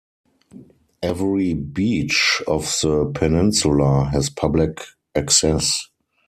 Every beach of the peninsula has public access.